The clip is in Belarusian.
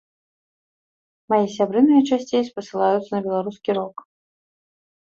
Мае сябры найчасцей спасылаюцца на беларускі рок.